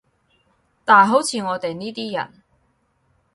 但好似我哋呢啲人